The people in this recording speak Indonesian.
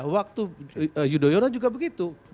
waktu yudhoyono juga begitu